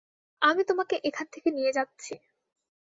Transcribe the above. আমি তোমাকে এখান থেকে নিয়ে যাচ্ছি।